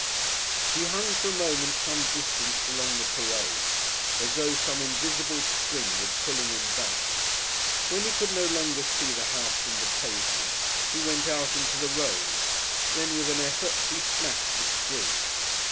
He hung for a moment some distance along the parade, as though some invisible string was pulling him back. When he could no longer see the house from the pavement he went out into the road. Then with an effort he snapped the string.